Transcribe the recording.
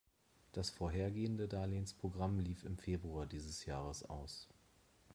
Das vorhergehende Darlehensprogramm lief im Februar dieses Jahres aus.